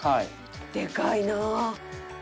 でかいなあ。